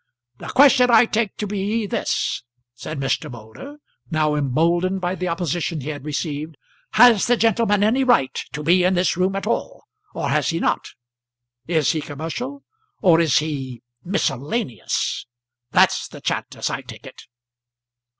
"The question I take to be this," said Moulder, now emboldened by the opposition he had received. "Has the gentleman any right to be in this room at all, or has he not? Is he commercial, or is he miscellaneous? That's the chat, as I take it."